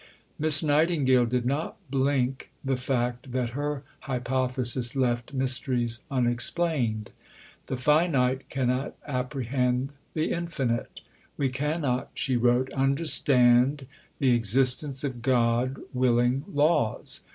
Miss Nightingale did not blink the fact that her hypothesis left mysteries unexplained. The finite cannot apprehend the Infinite. "We cannot," she wrote, "understand the existence of God willing laws.